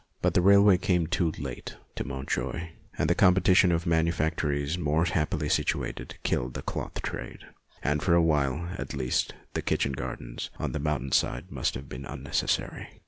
But the railway came too late to Montjoie, and the competition of manufac tories more happily situated killed the cloth trade, and for a while at least the kitchen gardens on the mountain side must have been unnecessary.